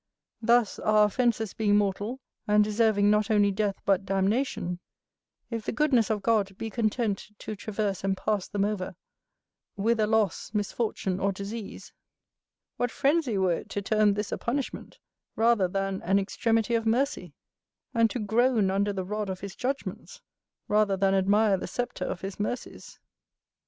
Thus, our offences being mortal, and deserving not only death but damnation, if the goodness of God be content to traverse and pass them over with a loss, misfortune, or disease; what frenzy were it to term this a punishment, rather than an extremity of mercy, and to groan under the rod of his judgments rather than admire the sceptre of his mercies!